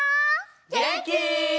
げんき？